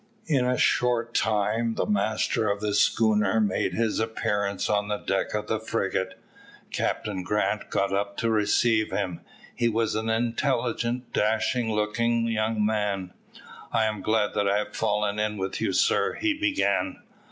In a short time the master of the schooner made his appearance on the deck of the frigate. Captain Grant got up to receive him. He was an intelligent, dashing looking young man. "I am glad that I have fallen in with you, sir," he began.